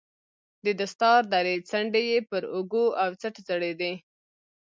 د دستار درې څنډې يې پر اوږو او څټ ځړېدې.